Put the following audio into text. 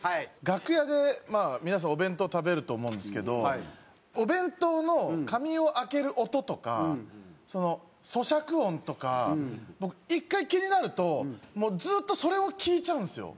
楽屋で皆さんお弁当食べると思うんですけどお弁当の紙を開ける音とか咀嚼音とか僕１回気になるともうずっとそれを聞いちゃうんですよ。